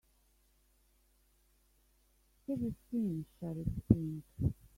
Have you seen Sheriff Pink?